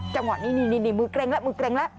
จังหวัดนี่มือเกร็งแล้ว